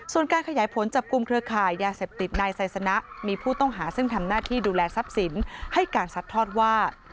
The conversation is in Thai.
ส่วนการขยายผลจับกลุ่มเครือข่ายยาเสพติดนายไซสนะมีผู้ต้องหาซึ่งทำหน้าที่ดูแลทรัพย์สินให้การสัดทอดว่า